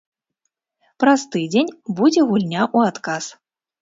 Праз тыдзень будзе гульня ў адказ.